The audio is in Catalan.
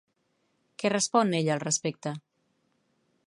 Què respon ella al respecte?